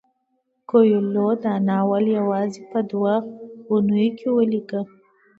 کویلیو دا ناول یوازې په دوه اونیو کې ولیکه.